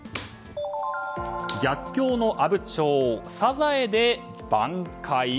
逆境の阿武町、サザエで挽回？